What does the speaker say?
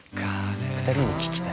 ２人に聞きたい。